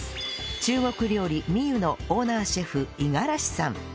中国料理美虎のオーナーシェフ五十嵐さん